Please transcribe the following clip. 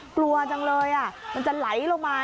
กลัวจังเลยมันจะไหลลงมา